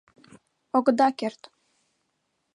Огыда керт.